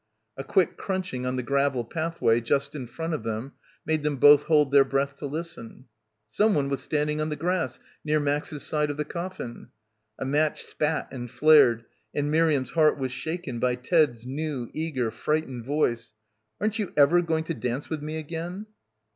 A quick crunching on the gravel pathway just in front of them made them both hold their breath to listen. Someone was standing on the grass near Max's side of the coffin. A match spat and flared and Miriam's heart was shaken by Ted's new, eager, frightened voice. "Aren't you ever going to dance with me again?"